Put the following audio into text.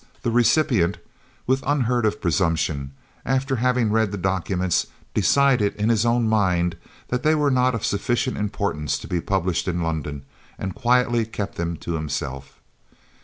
the recipient, with unheard of presumption, after having read the documents, decided in his own mind that they were not of sufficient importance to be published in London and quietly kept them to himself!